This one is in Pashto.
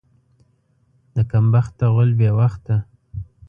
د کم بخته غول بې وخته.